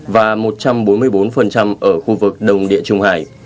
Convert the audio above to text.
và một trăm bốn mươi bốn ở khu vực đồng địa trung hải